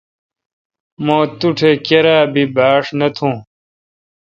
مہ توٹھ کیرا بی باݭ نہ تھون۔